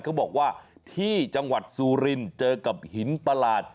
เขาบอกว่าที่จังหวัดซูรินเจอกับหินประหลาด